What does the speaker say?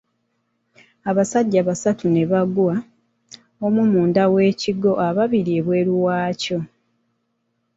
Abasajja basatu ne bagwa, omu munda w'ekigo ababiri bweru waakyo.